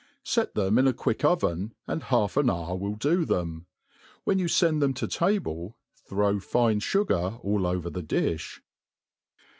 Set them in a quick oven, and half ao^hour will do them. When you fend them to table,, throw" fine fugar all over the difli.